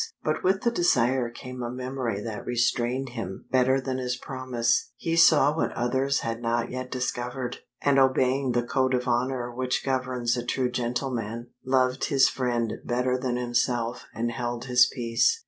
But with the desire came a memory that restrained him better than his promise. He saw what others had not yet discovered, and obeying the code of honor which governs a true gentleman, loved his friend better than himself and held his peace.